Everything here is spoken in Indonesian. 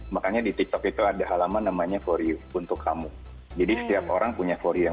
makanya di tiktok itu ada halaman namanya for you untuk kamu jadi setiap orang punya forum yang